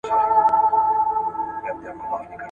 هیلې په ډېر پام سره خپل کتابونه په ترتیب کېښودل.